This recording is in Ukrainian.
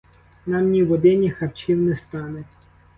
Нам ні води, ні харчів не стане.